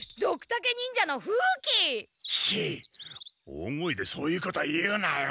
大声でそういうこと言うなよ。